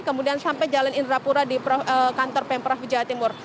kemudian sampai jalan indrapura di kantor pemper joha timur